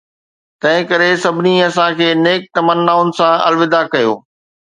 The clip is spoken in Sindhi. تنهن ڪري سڀني اسان کي نيڪ تمنائن سان الوداع ڪيو.